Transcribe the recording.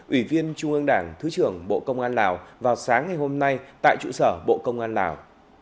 ủy viên trung ương đảng thứ trưởng bộ công an lào vào sáng ngày hôm nay tại trụ sở bộ công an lào